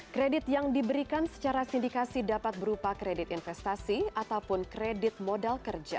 kredit yang diberikan secara sindikasi dapat berupa kredit investasi ataupun kredit modal kerja